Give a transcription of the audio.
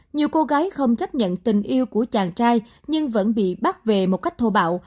nhiều cô gái không chấp nhận tình yêu của chàng trai nhưng vẫn bị bắt về một cách thô bạo